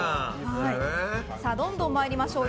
どんどん参りましょう。